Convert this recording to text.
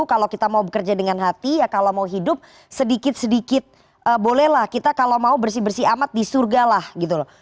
kalau kita mau bekerja dengan hati ya kalau mau hidup sedikit sedikit bolehlah kita kalau mau bersih bersih amat di surga lah gitu loh